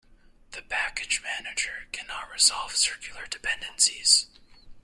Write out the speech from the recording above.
The package manager cannot resolve circular dependencies.